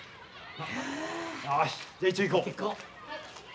よしじゃあ一丁いこう。